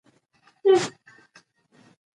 ده د کروندګرو ستونزې له نږدې ليدلې.